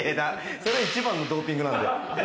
それ、一番のドーピングなんで。